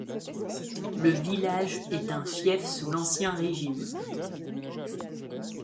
Le village est un fief sous l'Ancien Régime.